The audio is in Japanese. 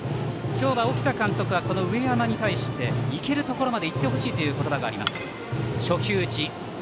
今日は沖田監督は上山に対して行けるところまで行ってほしいという言葉です。